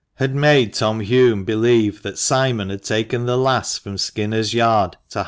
Had made Tom Hulme believe that Simon had taken the lass from Skinners' Yard to